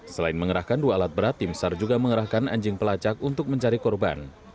selain mengerahkan dua alat berat tim sar juga mengerahkan anjing pelacak untuk mencari korban